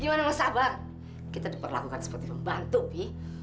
gimana mau sabar kita diperlakukan seperti pembantu pi